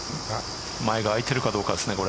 前があいているかどうかですね。